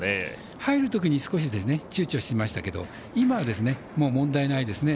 入るとき、少しちゅうちょしましたけど今は問題ないですね。